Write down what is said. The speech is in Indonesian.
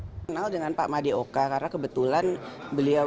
saya kenal dengan pak madeoka karena kebetulan beliau